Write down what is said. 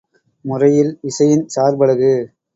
முறையில் விசையின் சார்பலகு.